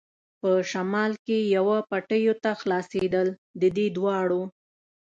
په شمال کې وه پټیو ته خلاصېدل، د دې دواړو.